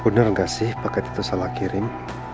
bener gak sih paket itu salah kirim